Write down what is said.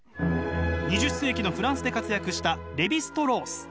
２０世紀のフランスで活躍したレヴィ＝ストロース。